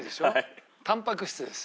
タンパク質です。